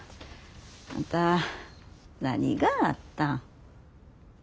あんた何があったん？